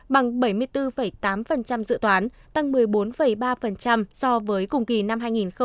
bằng bảy mươi bốn tám dự toán tăng một mươi bốn ba so với cùng kỳ năm hai nghìn một mươi chín